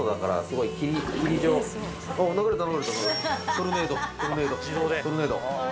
トルネードトルネードトルネード。